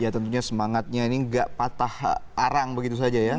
ya tentunya semangatnya ini nggak patah arang begitu saja ya